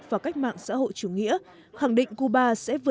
và cách mạng xã hội chủ nghĩa khẳng định cuba sẽ vượt